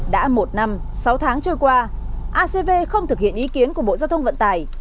đã một năm sáu tháng trôi qua acv không thực hiện ý kiến của bộ giao thông vận tải